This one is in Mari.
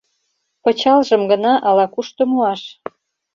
— Пычалжым гына ала-кушто муаш...